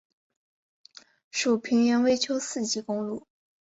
属平原微丘四级公路。